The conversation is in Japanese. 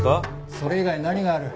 それ以外に何がある？